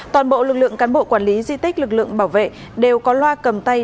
toàn bộ lực lượng cán bộ quản lý di tích lực lượng bảo vệ đều có loa cầm tay